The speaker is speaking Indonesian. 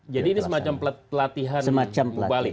jadi ini semacam pelatihan mubalik